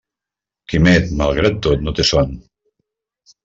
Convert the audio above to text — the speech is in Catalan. Quimet, malgrat tot, no té son.